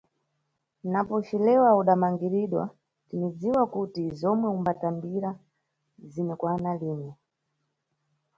Napo ucilewa udamangiridwa, tinidziwa kuti zomwe mumbatambira zinikwana lini.